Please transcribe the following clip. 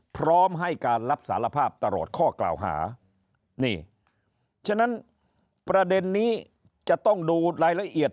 พร้อมให้การรับสารภาพตลอดข้อกล่าวหานี่ฉะนั้นประเด็นนี้จะต้องดูรายละเอียด